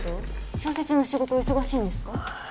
小説の仕事忙しいんですか？